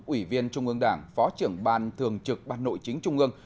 ủy viên trung ương đảng phó trưởng ban thường trực ban nội chính trung ương